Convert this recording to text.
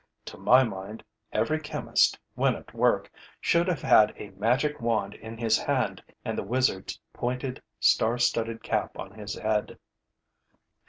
To my mind, every chemist, when at work, should have had a magic wand in his hand and the wizard's pointed, star studded cap on his head.